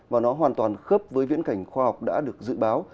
và nó hoàn toàn khớp với viễn cảnh khoa học đã được dự báo